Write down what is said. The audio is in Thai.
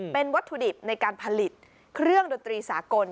เป็นวัตถุดิบในการผลิตเครื่องดนตรีสากล